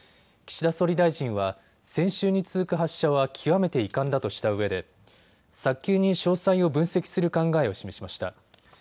岸田総理大臣は先週に続く発射は極めて遺憾だとしたうえで早急に詳細を分析する考えを示しました。